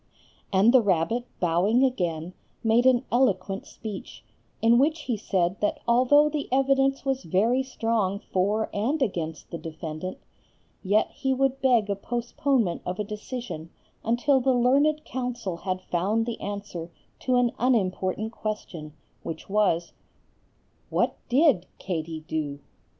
And the rabbit, bowing again, made an eloquent speech, in which he said that although the evidence was very strong for and against the defendant, yet he would beg a postponement of a decision until the learned counsel had found the answer to an unimportant question, which was, What did Katie do?